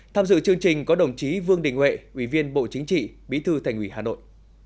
tham dự chương trình có đồng chí vương đình huệ ubnd tp hà nội